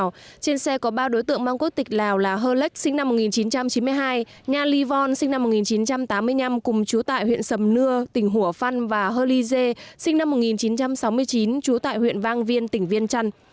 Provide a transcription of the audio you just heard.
trên xe có ba đối tượng mang quốc tịch lào là hơ lách sinh năm một nghìn chín trăm chín mươi hai nha lyon sinh năm một nghìn chín trăm tám mươi năm cùng chú tại huyện sầm nưa tỉnh hủa phăn và hơ ly dê sinh năm một nghìn chín trăm sáu mươi chín trú tại huyện vang viên tỉnh viên trăn